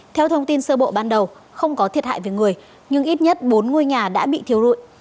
theo thông tin sơ bộ ban đầu không có thiệt hại về người nhưng ít nhất bốn ngôi nhà đã bị thiêu rụi